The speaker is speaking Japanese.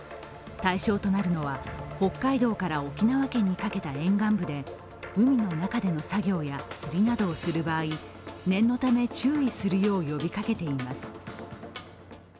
対象となるのは、北海道から沖縄県にかけた沿岸部で海の中での作業や釣りなどをする場合念のため注意するよう呼びかけています。